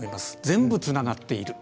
全部つながっている。